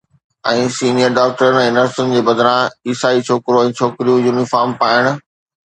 ۽ senior ڊاڪٽرن ۽ نرسن جي بدران، عيسائي ڇوڪرو ۽ ڇوڪريون يونيفارم پائڻ